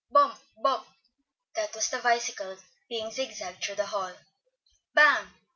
Bump, bump! that was the bicycle being zigzagged through the hall. Bang!